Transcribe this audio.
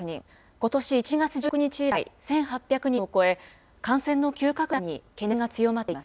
ことし１月１６日以来、１８００人を超え、感染の急拡大に懸念が強まっています。